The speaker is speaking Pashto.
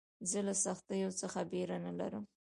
زه له سختیو څخه بېره نه لرم.